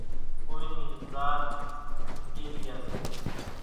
ڪونئين نِي زاچ ڀنڄيريا سي۔